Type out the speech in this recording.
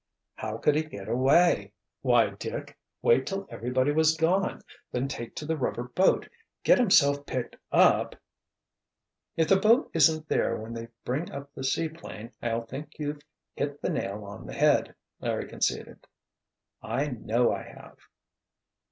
"How could he get away?" "Why, Dick! Wait till everybody was gone, then take to the rubber boat, get himself picked up——" "If the boat isn't there when they bring up the seaplane, I'll think you've hit the nail on the head," Larry conceded. "I know I have."